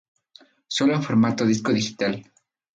Solo en formato Disco digital.